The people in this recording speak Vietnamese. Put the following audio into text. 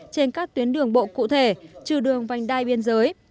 trên các tuyến đường bộ cụ thể trừ đường vành đai biên giới